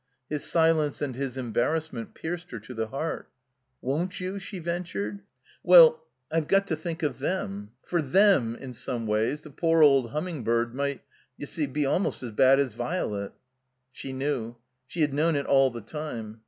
His silence and his embarrassment pierced her to the heart. * 'Won't you?" she ventured. ''Well — I've got to think of them. For them, in some ways, the poor old Htunming bird might, you see, be almost as bad as Virelet." She knew. She had known it all the time.